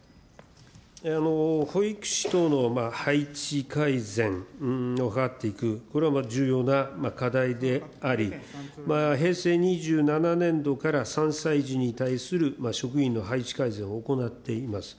保育士等の配置改善に関わっていく、これは重要な課題であり、平成２７年度から３歳児に対する職員の配置改善を行っています。